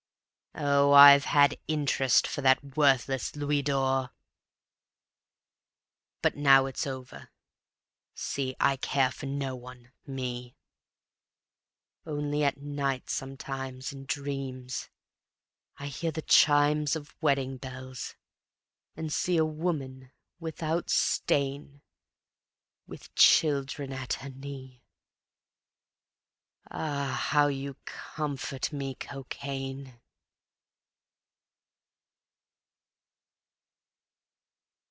Oh, I've had interest for That worthless louis d'or. But now it's over; see, I care for no one, me; Only at night sometimes In dreams I hear the chimes Of wedding bells and see A woman without stain With children at her knee. Ah, how you comfort me, Cocaine!